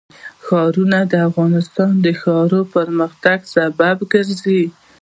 ښارونه د افغانستان د ښاري پراختیا سبب کېږي.